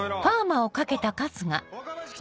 若林来た！